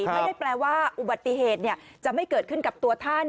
ไม่ได้แปลว่าอุบัติเหตุจะไม่เกิดขึ้นกับตัวท่าน